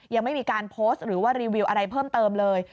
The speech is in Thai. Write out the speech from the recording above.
ยังไม่มีการโพสต์หรือว่ารีวิวอะไรเพิ่มเติมเลย